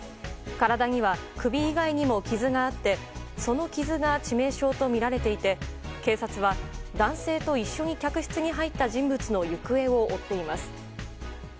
体には、首以外にも傷があってその傷が致命傷とみられていて警察は男性と一緒に客室に入った人物の行方を追っています。